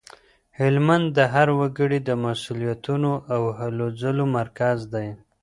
هلمند د هر وګړي د مسولیتونو او هلو ځلو مرکز دی.